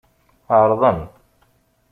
Ɛeṛḍen.